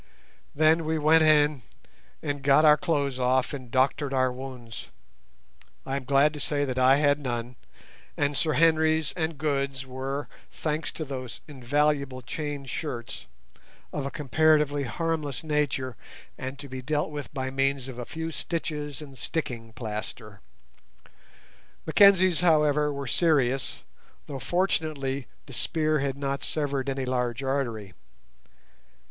Then we went in and got our clothes off and doctored our wounds; I am glad to say I had none, and Sir Henry's and Good's were, thanks to those invaluable chain shirts, of a comparatively harmless nature, and to be dealt with by means of a few stitches and sticking plaster. Mackenzie's, however, were serious, though fortunately the spear had not severed any large artery.